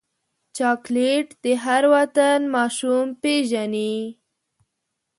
چاکلېټ د هر وطن ماشوم پیژني.